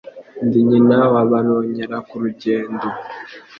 Ndi nyina wa Baronkera-ku-rugendo*